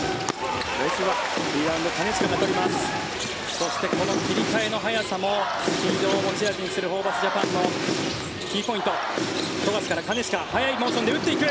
そしてこの切り替えの速さもスピードを持ち味にするホーバスジャパンのキーポイント富樫から金近速いモーションで打っていく！